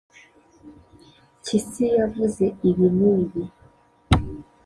Mpyisi yavuze ibi n’ibi